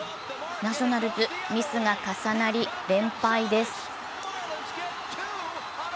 ナショナルズ、ミスが重なり連敗です。